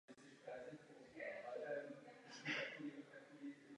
V meziválečném období byl v provozu kamenolom a cihelna.